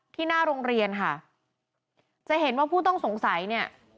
หน้าโรงเรียนค่ะจะเห็นว่าผู้ต้องสงสัยเนี่ย